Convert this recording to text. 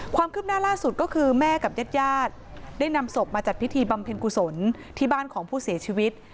ความคืบหน้าล่าสุดก็คือแม่กับญาติญาติได้นำศพมาจัดพิธีบำเพ็ญกุศลที่บ้านของผู้เสียชีวิต